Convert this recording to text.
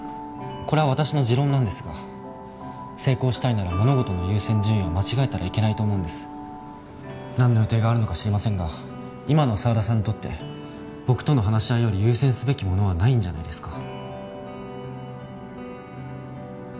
これは私の持論なんですが成功したいなら物事の優先順位を間違えたらいけないと思うんです何の予定があるのか知りませんが今の沢田さんにとって僕との話し合いより優先すべきものはないんじゃないですか？